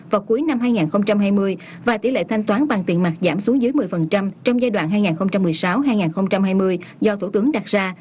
vào cuối năm hai nghìn hai mươi và tỷ lệ thanh toán bằng tiền mặt giảm xuống dưới một mươi trong giai đoạn hai nghìn một mươi sáu hai nghìn hai mươi do thủ tướng đặt ra